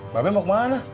mbak be mau kemana